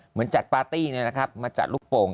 เหมือนจัดปาร์ตี้เนี่ยนะครับมาจัดลูกโปรง